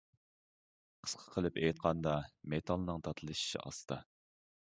قىسقا قىلىپ ئېيتقاندا مېتالنىڭ داتلىشىشى ئاستا.